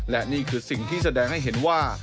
และนี่คือสิ่งที่แสดงให้เห็นว่า